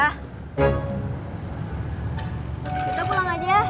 kita pulang aja